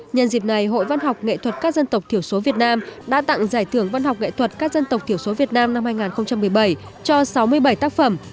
nhân dịp này hội văn học nghệ thuật các dân tộc thiểu số việt nam đã tặng giải thưởng văn học nghệ thuật các dân tộc thiểu số việt nam năm hai nghìn một mươi bảy cho sáu mươi bảy tác phẩm